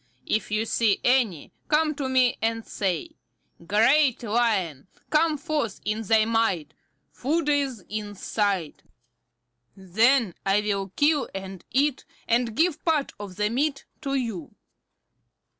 If you see any, come to me and say: 'Great Lion, come forth in thy might. Food is in sight.' Then I will kill and eat, and give part of the meat to you."